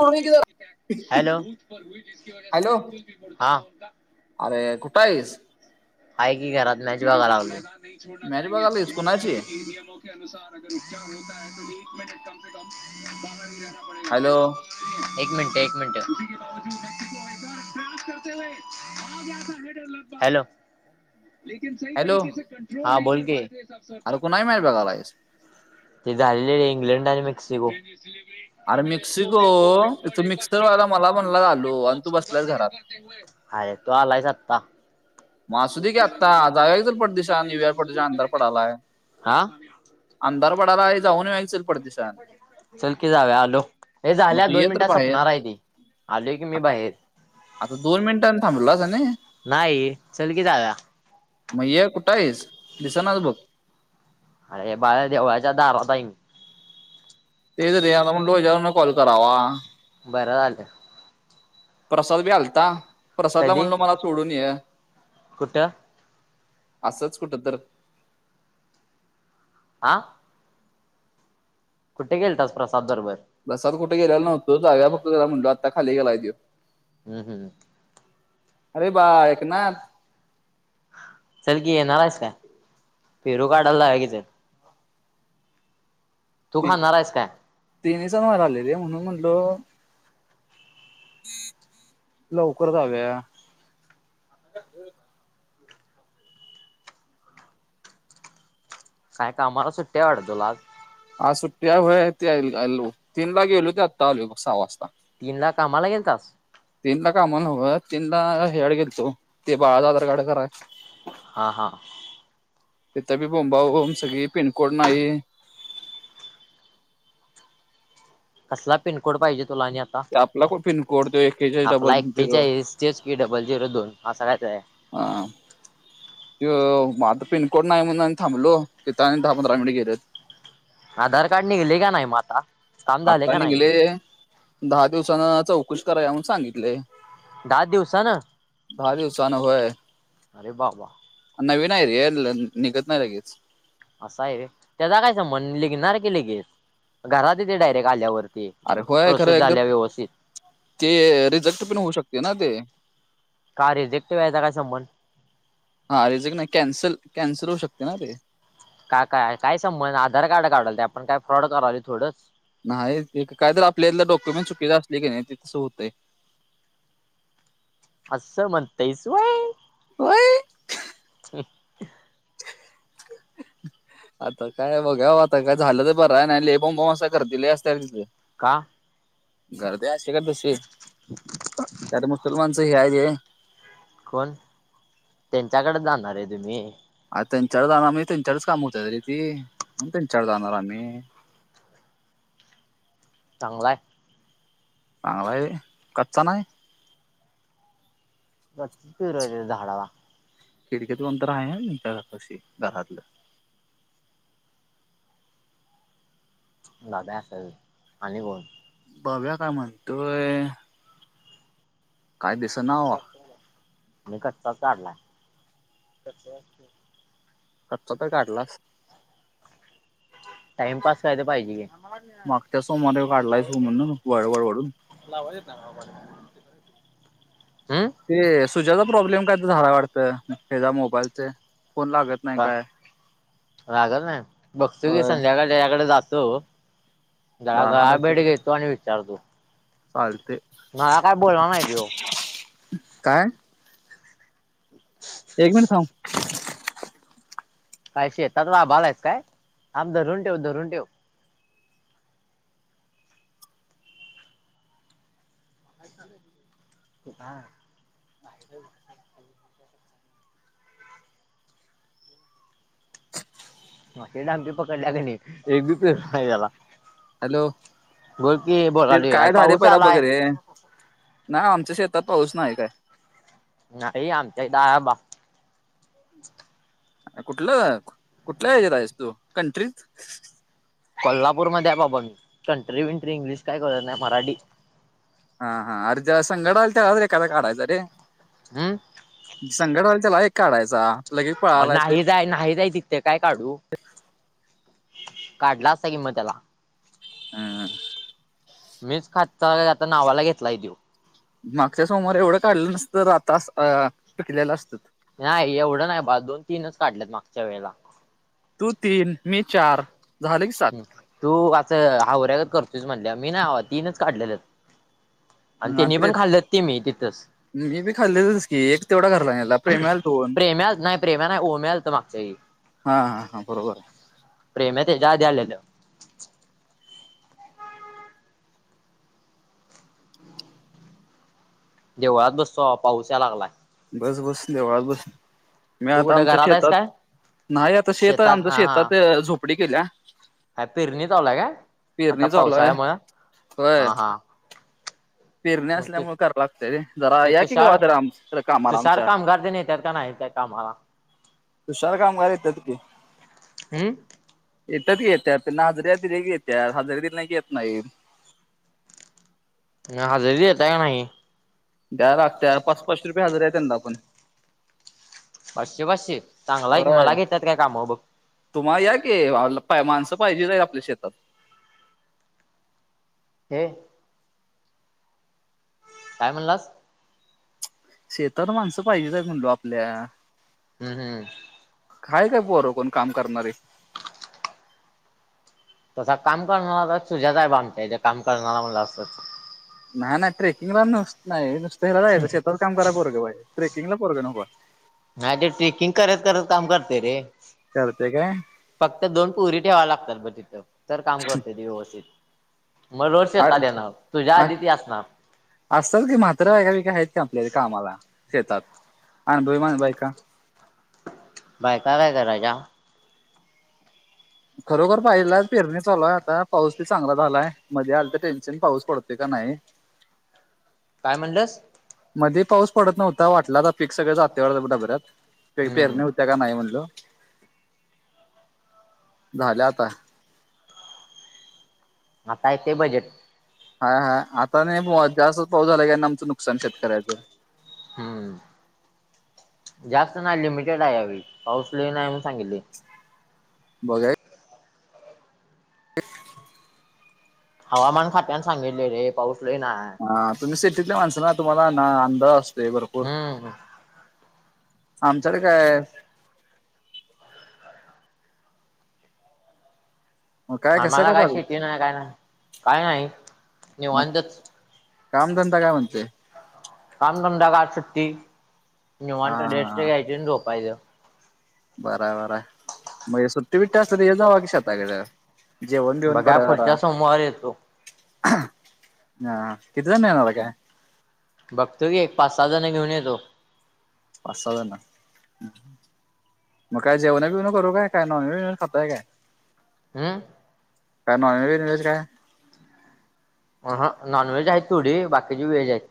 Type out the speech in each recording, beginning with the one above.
सोडून की जरा हॅलो हॅलो हा. अरे कुठं आहेईस. हाय की घरात मॅच बघायला लागलं. मॅच बघायलायस कुणाची कमगाी राना पडे हॅलो फिल [inaudible] एक मिनिट एक मिनिट. हॅलो. हॅलो हा बोल की. अरे कोणाची मॅच बघायला. ते झालेले इंग्लंड आणि मेक्सिको. अरे मेक्सिको इथ मिक्सरवाला मला म्हणला आलो आणि तू बसलास घरात. हाय तू आलायस आत्ता. असू दे की आता जाऊया चल पटदिशी आणि युवा परदेशी अंधार पडायला. हा अंधार पडाला आहे जाऊन युया चल पट दिशान. चल की जाऊया आलो. हे मग झाल्या तू दोन ये तर मिनिटात बाहेर सपणार आहे ती आल की मी आता बाहेर. आता दोन मिनिटांनी थांबस आणि. नाही चल की जाऊया. म ये कुठं आहेस दिसनास बघ. अरे बाळ देवळाच्या दारात हाय की. तेच रे आता म्हणलं ह्याच्यावरून कॉल करावा. बरं झालं. प्रसाद बी आलता प्रसादला म्हणलो मला सोडून ये. कुठ. असंच कुठं तर. आ. कुठे गेल तात प्रसाद बरोबर. प्रसाद कुठे गेलेला नव्हतं जाग्याव फक्त त्याला म्हणलो आता खाली गेलाय तो. हम हम. अरे बाळ ऐक ना. चल की येणार आहेस का पेरू काढायला जाऊया की चल. तू ति- खाणार आहेस काय. तिन्ही सांज व्हायला आली रे म्हणून म्हणलो. लवकर जाऊया. काय कामाला सुट्टी आहे वाटतं तुला आज. आज सुट्टी आहे व्हय ते आय आलो तीनला गेलो ते आत्ता आलो सहा वाजता. तीन ला कामाला गेलतास. तीनला कामाला न्हव तीनला हेसाडी गेलतो ते बाळाला आधार कार्ड कराय. हा हा. तिथ बी बोंबा सगळी पिनकोड नाही. कसला पिनकोड पाहिजे तुला आणि यात. ते आपला कोड पिनकोड तो एकेचाळीस डबल झिरो. एकटेचाळीस तेच की, डबल झिरो दोन असा काही तरी आहे. हा. त्यो म आता पिनकोड नाही म्हणून आणि थांबलो तिथ आणि दहा पंधरा मिनिट गेल. आधार कार्ड निघले का नाही म आता. काम झाले आता का नाही नीघले ते दहा दिवसान चौकशी करा या म्हनून सांगितलय. दहा दिवसानं दहा दिवसांन व्हय. अरे बाबा नवीन आहे रे निघत नाही लगेच. असं आहे व्हय, त्याचा काय संबंध निघणार की लगेच घरात येते डायरेक्ट आल्यावरती. अरे होय प्रोसेस खरंय तर, झाल्या व्यवस्थित ते रिजेक्ट पण होऊ शकते ना ते. का रिजेक्ट व्हायचा काय संबंध. हा रिजेक्ट नाही कॅन्सल कॅन्सल होऊ शकते ना ते. का काय काय संबंध आधार कार्ड काढायल तो आपण काय फ्रॉड करायलो थोडंच. नाही काय तर आपल्यातल डॉक्युमेंट चुकीच असले की नाही की तसं होतंय. असं म्हणतईस वय. व्हय. ह. आता काय बघाव आता काय झालं तर बरं आहे नाही ले बॉम बॉम असं करतील लइ असत तिथल. का? गर्दी असते गा नुसती त्यात मुसलमानच एरिया आहे. कोण त्यांच्याकड जाणार आहे तुम्ही. आ त्यांच्याकडं जाणार म्हणजे त्यांच्याकडच काम होतात र ती म्हणून त्यांच्याकड जाणार आम्ही. चांगलाय. व्हय कच्चा नाही. कच्चे पेरू आहे रे झाडाला. खिडकीतून अंतर आहे मी घरापाशी दारातल. दादया असल आणि कोण. बग्या काय म्हणतंय. काय दिसना आवा मी कच्चाच काढला. [unintelligible] कच्चा तर काढलास. टाइमपास काय तर पाहिजे की मग त्या सोमवारी काढलाय स म्हणून वळवळ वडून. लावायला नाही येत मला कॉलिंग तिकडंन येतोय, हम्म. ते सुजाचा प्रॉब्लेम काय तर झाला वाटतं त्याच्या मोबाईलचे फोन लागत नाही का काय लागत नाय, बघतो की होय संध्याकाळ त्याच्याकडे जातो गळा जाणार गळाभेट ते घेतो आणि विचारतो. चालते. मला काय बोलला नाही त्यो. काय? एक मिनिट थांब. काय शेतात, राबालायस काय? आप धरून ठेव धरून ठेव का. [unintelligible] म दमट पकडल्या का नाही एक बी पेर नाही त्याला. हॅलो बोल की ते बोलालोय काय झाले पाऊस पहिला बघ आलाय. रे नाही आमच्या शेतात पाऊस नाही काय. नाही आमच्या इथ आहे बा. कुठलं कुठला याच्यात आहेस तू कंट्रीत? कोल्हापूरमध्ये आहे बाबा मी कंट्री विंट्री इंग्लिश काय कळत नाही मराठी. हा, हा अर् संगड आलता एखादा काडायत रे. हम्म. संगटवा त्याला एक काढायचा. लगे पळाला नाही जाय, नाही जाय तिथे काय काढू? काढला असता कि म त्याला. हम्म. मीच खात चालय आता नावाला घेतला आहे तो. मागच्या समवारी एवढं काढलं नसतं आता पिकलेलं असतं. नाही एवढं नाही बा दोन, तीनच काढलेत मागच्या वेळेला. तू तीन, मी चार. झालं की सात ह तू असं हावऱ्यागत करतुस म्हटल्या मी ना हवा तीनच काढलेले. आणि अं, त्यांनी पण त्रे खाल्लं ते मी तिथंच. मी बी खाल्लेचस की एक तेवढा घरलाला प्रेमला दोन. प्रेम्या नाही प्रेम्या नाही ओम्या आलतं मागच्या वेळी. हा, हा, हा, बरोबर. प्रेमया त्याच्या आधी आलेलं. देवळात बसतो पाऊस या लागलाय. बस, बस देवाळात बस. मी तू आता कुठं आमच्या घरात आहेस शेतात काय? नाही आता शेत शेतात आमच्या हा हा शेतात झोपडी केल्या. पेरणी चालु हाय काय आता पेरणी चालू आहे पावसाळ्यामुंळ होय हा, हा. पेरणी मग ते असल्यामुळे करां लागतेयरे जरा या कि गावा कड आम कामाला तुसार आमच्या कामगार दिन येतात का नाही त्या कामाला. तुशार कामगार येतात की. हम्म. येतात घेत्या त्यांना नाजऱ्या दिल्याकी येत्यात हजरीे दिली नाही की येत नाही. ना हजेरी देता आहेेतय का नाही? द्या लागता पाच, पाच रुपये हजार आहे त्यांंना पण. पाचशे, पासशे चांगला आहे की होय मला घेतात काय काम बघ. तुम्हाला या कि माणसं पाहिजेच आपल्या शेतात. हे. काय म्हणलास. शेतात माणसं पाहिजेच आहे म्हणलो आपल्या. हम्म, हम्म. हाय काय पोर कोण काम करणारे तसा काम करणारा तर सुजाच आहे बग आमच्या इथे काम करणारा म्हणालास तर नाही, नाही ट्रेकिंगला नुसत नाही नुसत्याला जायच शेतताात काम करणार पोरग पाहिजे ट्रकिंगला पोरं नको. नाही ते ट्रेकिंग करत, करत काम करते रे. करते काय. फक्त दोन पोरी ठेवाय लागतात बग तिथं तर काम करते ती व्यवस्थित. मग रोज आ- शेतात येनार तुझ्या आधी ती असणार. असताय की म्हाताऱ्या बायका बियका आहेत की आपल्यात कामाला शेतात अनुभवी बायका बायका काय करायच्या? खरोखर पाहिजेल ए... पेरणी चालूय आता पाऊस बी चांगला झालाय... मध्ये आलतं टेन्शन... पाऊस पडतोय का नाय काय म्हणलंस? मध्ये पाऊस पडत नव्हता... वाटलाता पिक सगळं जातयं वाटतं डबड्यात... पे... पेरण्या हम्म होत्या का नाय म्हणलं - झाल्या आता आता येतंय बजेट हा हा आता नाय बुवा... जास्त पाऊस झाला कि आमचं नुकसान शेतकऱ्याचं हम्म... जास्त नाय लिमिटेड ए ह्यावेळी... पाऊस लय न्हाई म्हणून सांगितलय बघाय [unintelligible] हवामान खात्यानं... सांगितलय रे... पाऊस लय नाय हा... तुम्ही सिटीतले माणसं ना... तुम्हाला ना अंंदाज अस हम्म ह आमच्याकडे काय मग कसं आम्हाला काय चालू शेती नाय.... काय नाय... काय नाई मग निवांतच कामधंदा काय म्हणतोय? काम धंदा काय... आज सुट्टी... हा निवांत रेस्ट हा घ्यायची अनं झोपायचं बरा बर ए... मग सुट्टी बिट्टी असली की येत जावा की शेताकडं जेवण बिवण बघा करुया जरा पुढच्या सोमवारी येतो हा... किती जण येणार ए काय? बघतोय की एक पाच सहा जण घेऊन येतो. पाच सहा जण मग काय जेवणं बेवनं करू काय? काय नॉनव्हेज वैगेरे खाताय काय? हम काय नॉनव्हेज वैगेरे काय? अहं.. नॉन व्हेज आहे थोडी... बाकीची व्हेज आहेत.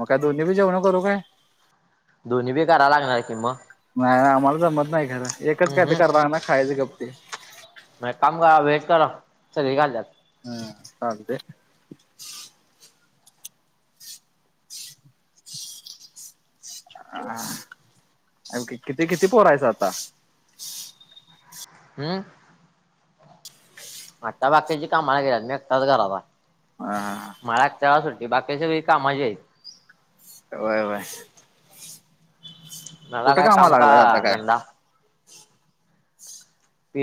मग काय दोन्ही बी जेवणं करू काय? दोन्ही बी करायला लागणार कि मग नाय नाय आम्हाला जमत नाय खरं... एकच हम्म काय ते करणार खायचं गपचिप मग एक काम करा... व्हेज करा... सगळी खात्यात हा... चालतय हा... आणखी किती किती पोरं हायसा आता? हु आता बाकीची कामाला गेल्यात... मी एकटाच घरात ए हा मलाच तेव्हा सुट्टी... बाकी सगळी कामाची हायेत. व्हय व्हय. मला काय... काम कामाला का लागला आता काय धंदा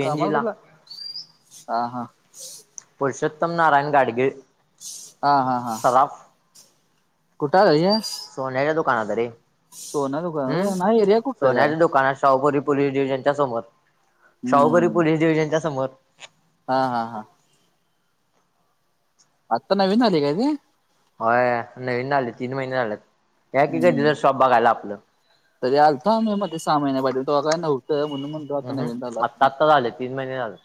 कामावर ला कुठलं... हा... हा पुरषोत्तम नारायण गाडगिळ. हा हा हा. कुठं हायेस? सोन्याच्या दुकानात रे... दुकान हु... व्हय. नाही एरिया कुठं काय सोन्याच्या दुकानात शाहुपुरी पोलीस डिव्हिजनच्या समोर... शाहुपुरी हम्म पोलीस डिव्हिजनच्या समोर हा हा हा आता नवीन आली काय ते? होय नवीन आलय तीन महिने झालेत या की कधी हम्म तर शॉप बघायला आपलं तरी आलताम्ही मध्ये सामान्या पाहिे तो काय नव्हतं म्हणून म्हण हम् हम आत्ता आता झाले तीन महिने झाले.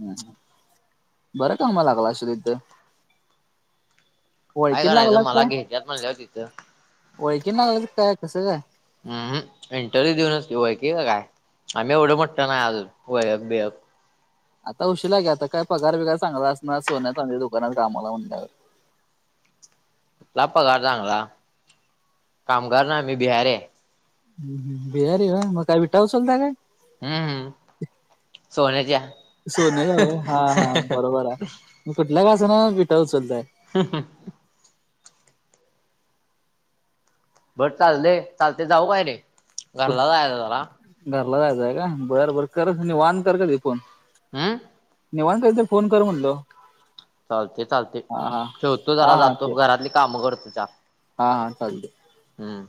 हम् बरं कामाला लागलास तू तिथ काय करायचं लागला काय मला घ्यायच्यात म्हणल्यावर तिथं. ओळखीन लागलायस काय काय कस काय हम् इंटरव्ह्यू देऊनच ओळखीचं काय आम्ही एवढं मोठ नाय अजून ओळख बीळक. आता उशशीरा घे आता काय पगार पिगार चांगला असणार सोन्या चांद्या दुकानात कामाला म्हटल्यावर. ला पगार चांगला कामगार ना मी बिहारी आहे. हम् हम बिहारी हाय मग काय विटा उचालता काय. हम्म हम्म सोन्याच्या सोन हा हा बरोबर आहे म कुठल्या का असेना विठा उचलताय. हम्म हम्म. भर चालले चालते जाऊ काय रे कुठ घरला जायच जरा घरला जायचंय का बरबर करत निवांत कर कर त फोन. हम्म. निवांत कधीतर तर फोन कर म्हणलो. चालते चालते हा हा ठेवतो जरा हा हा जातो ते घरातली कामं करतो चार. हा हा चालतय. हम्म.